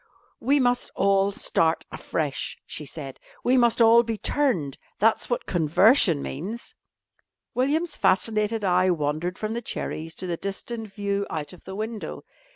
"We must all start afresh," she said. "We must all be turned that's what conversion means." William's fascinated eye wandered from the cherries to the distant view out of the window.